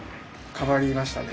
変わりましたね。